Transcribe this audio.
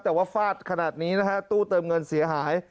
แต่ว่าฟาดขนาดนี้นะฮะตู้เติมเงินเสียหาย